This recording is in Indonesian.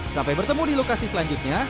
sampai bertemu di lokasi selanjutnya